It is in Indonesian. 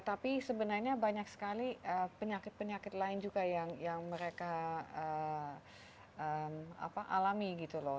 tapi sebenarnya banyak sekali penyakit penyakit lain juga yang mereka alami gitu loh